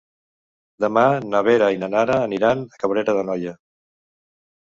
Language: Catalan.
Demà na Vera i na Nara aniran a Cabrera d'Anoia.